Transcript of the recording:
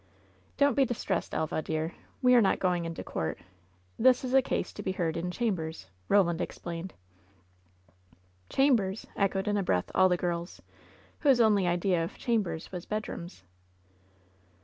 "Don't be distressed, Elva, dear ! We are not going into court. This is a case to be heard in chambers," Roland explained. "Chambers !" echoed, in a breath, all the girls, whose only idea of chambers was bedrooms.